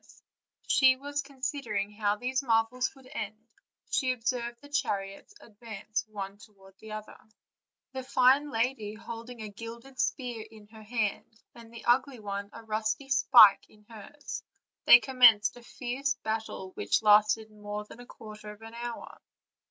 As she was considering how these marvels would end, she observed the chariots advance one toward the other; and the fine lady holding a gilded spear in her hand, and the ugly one a rusty pike in hers, they commenced a fierce combat which lasted more than a quarter of an hour.